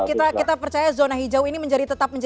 kita kita percaya zona hijau ini menjadi tetap terkenal